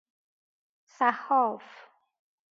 صحاف